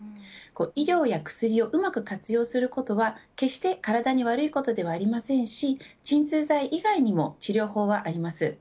医療や薬をうまく活用することは決して体に悪いことではありませんし鎮痛剤以外にも治療法はあります。